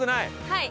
はい。